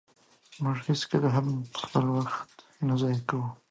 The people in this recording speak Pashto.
مونږ هيڅکله هم خپل وخت نه ضایع کوو.